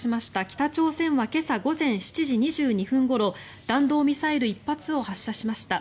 北朝鮮は今朝午前７時２２分ごろ弾道ミサイル１発を発射しました。